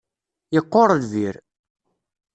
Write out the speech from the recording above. Yeqqur lbir.